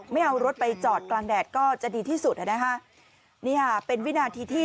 ไม่เอารถไปจอดกลางแดดก็จะดีที่สุดอ่ะนะคะนี่ค่ะเป็นวินาทีที่